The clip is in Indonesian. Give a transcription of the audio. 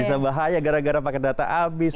bisa bahaya gara gara pakai data habis